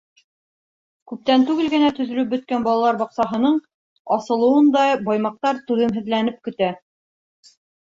Күптән түгел генә төҙөлөп бөткән балалар баҡсаһының асылыуын да баймаҡтар түҙемһеҙләнеп көтә.